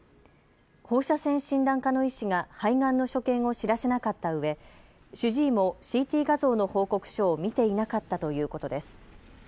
放射線診断科の医師が肺がんの所見を知らせなかったうえ主治医もＣＴ画像の報告書を見ていなかったということです。